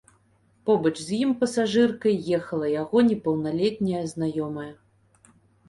Побач з ім пасажыркай ехала яго непаўналетняя знаёмая.